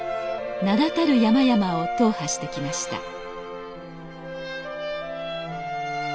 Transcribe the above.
名だたる山々を踏破してきました